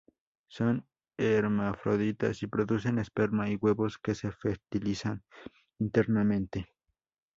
Son hermafroditas, y producen esperma y huevos que se fertilizan internamente.